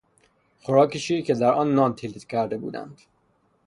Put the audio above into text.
خوراک شیر که در آن نان تلیت کرده بودند